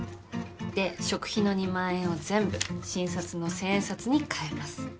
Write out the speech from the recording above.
で食費の２万円を全部新札の千円札に替えます。